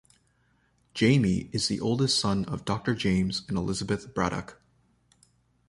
Jamie is the oldest son of Doctor James and Elizabeth Braddock.